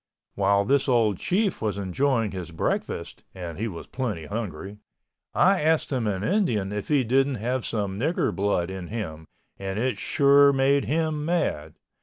While this old Chief was enjoying his breakfast (and he was plenty hungry) I asked him in Indian if he didn't have some Nigger blood in him, and it sure made him mad.